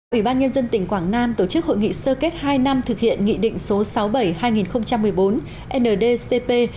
ủy ban nhân dân tỉnh quảng nam tổ chức hội nghị sơ kết hai năm thực hiện nghị định số sáu mươi bảy hai nghìn một mươi bốn ndcp